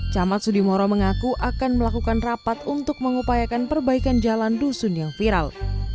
camat sudimoro mengaku akan melakukan rapat untuk mengupayakan perbaikan jalan dusun yang viral